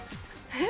え？